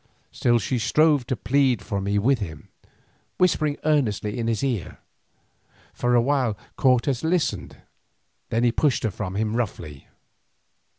Still she strove to plead for me with him, whispering earnestly in his ear. For a while Cortes listened, then he pushed her from him roughly.